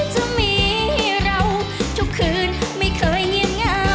จะมีเราทุกคืนไม่เคยเงียบเหงา